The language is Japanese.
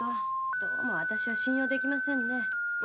どうも信用できませんね。